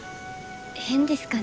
変ですかね。